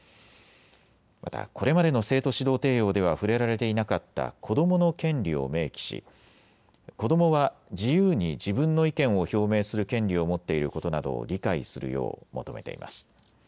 またこれまでの生徒指導提要では触れられていなかった子どもの権利を明記し、子どもは自由に自分の意見を表明する権利を持っていることなどを理解するよう求めています。